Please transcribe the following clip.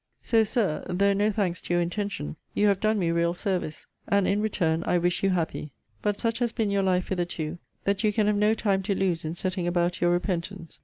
So, Sir, though no thanks to your intention, you have done me real service; and, in return, I wish you happy. But such has been your life hitherto, that you can have no time to lose in setting about your repentance.